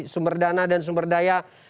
sumber dana dan sumber daya